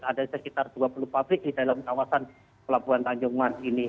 ada sekitar dua puluh pabrik di dalam kawasan pelabuhan tanjung mas ini